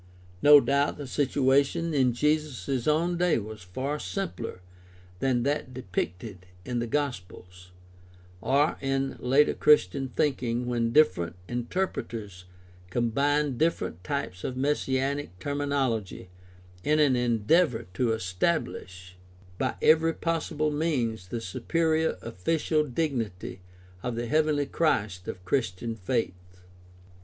No doubt the situation in Jesus' own day was far simpler than that depicted in the Gospels, or in later Christian think ing when different interpreters combined different types of messianic terminology in an endeavor to estabhsh by every possible means the superior official dignity of the heavenly Christ of Christian faith.